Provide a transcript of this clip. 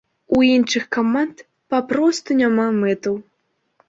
У іншых каманд папросту няма мэтаў.